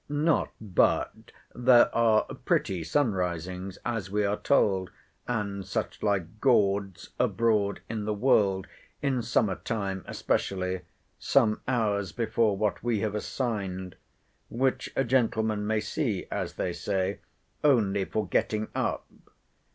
Not but there are pretty sun risings, as we are told, and such like gawds, abroad in the world, in summer time especially, some hours before what we have assigned; which a gentleman may see, as they say, only for getting up.